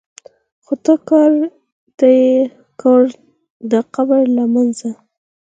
خو کار ته یې ګورې د قبر له منځه.